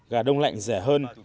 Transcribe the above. gà đông lạnh rẻ hơn